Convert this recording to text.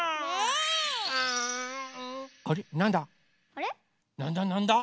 あれっなんだ？